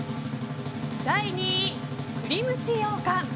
第２位、栗蒸しようかん。